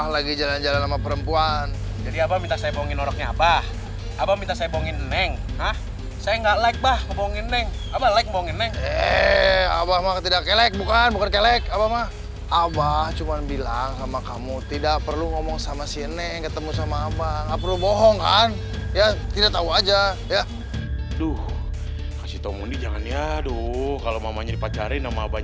lagian kan nanti juga abah nikah neng tinggal sendiri kan